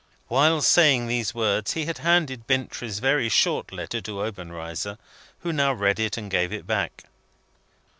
While saying these words, he had handed Bintrey's very short letter to Obenreizer, who now read it and gave it back.